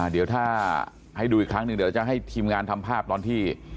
เดี๋ยวถ้าให้ดูอีกครั้งหนึ่งเดี๋ยวจะให้ทีมงานทำภาพตอนที่